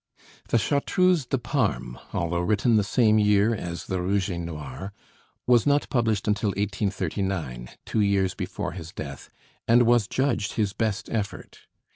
The 'Chartreuse de Parme,' although written the same year as the 'Rouge et Noir', was not published until 1839, two years before his death, and was judged his best effort.